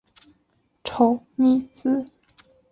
丑妮子。